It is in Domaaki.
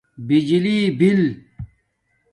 بجلی بِل